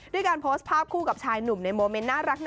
การโพสต์ภาพคู่กับชายหนุ่มในโมเมนต์น่ารัก